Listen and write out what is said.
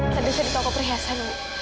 tadi saya di toko perhiasan